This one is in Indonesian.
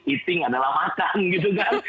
eating adalah makan gitu kan